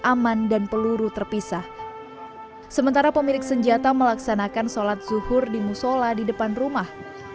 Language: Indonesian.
aman dan peluru terpisah sementara pemilik senjata melaksanakan sholat zuhur di musola di depan rumah